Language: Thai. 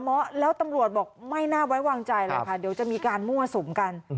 เมาะแล้วตำรวจบอกไม่น่าไว้วางใจเลยค่ะเดี๋ยวจะมีการมั่วสุมกัน